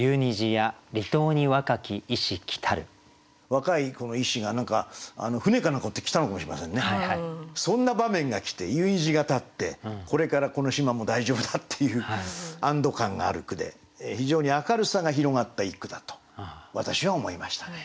若い医師が船か何か乗って来たのかもしれませんね。そんな場面がきて夕虹が立ってこれからこの島も大丈夫だっていう安ど感がある句で非常に明るさが広がった一句だと私は思いましたね。